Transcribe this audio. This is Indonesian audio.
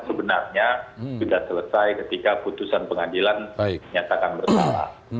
sebenarnya sudah selesai ketika putusan pengadilan nyatakan bersalah